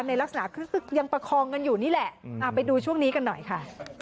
ในลักษณะคือยังประคองกันอยู่นี่แหละไปดูช่วงนี้กันหน่อยค่ะ